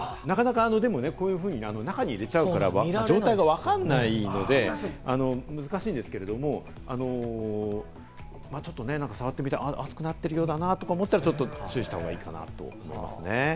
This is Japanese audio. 中に入れちゃうから状態がわかんないので難しいんですけれども、ちょっと触ってみたら、熱くなってるようだなとか思ったら、注意した方がいいかなと思いますね。